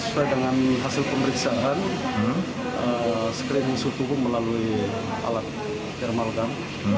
sesuai dengan hasil pemeriksaan screening suhu melalui alat dermal gun